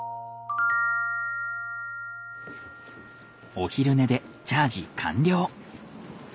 お昼寝でチャージ完了。